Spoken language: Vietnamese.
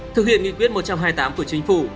thực hiện nghị quyết một trăm hai mươi tám của chính phủ